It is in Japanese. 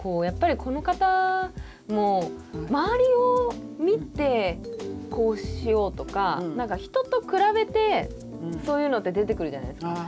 やっぱりこの方も周りを見てこうしようとか何か人と比べてそういうのって出てくるじゃないですか。